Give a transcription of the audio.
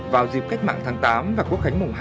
vào dịp cách mạng tháng tám và quốc khánh mùng hai